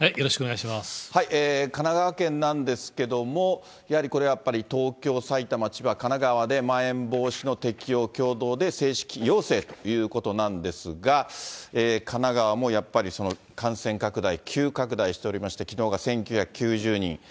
神奈川県なんですけども、やはりこれはやっぱり東京、埼玉、千葉、神奈川で、まん延防止の適用を共同で正式要請ということなんですが、神奈川もやっぱり感染拡大、急拡大しておりまして、きのうが１９９０人。